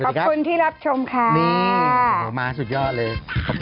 สวัสดีครับคุณที่รับชมค่ะนี่มาสุดยอดเลย